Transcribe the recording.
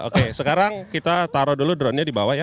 oke sekarang kita taruh dulu drone nya di bawah ya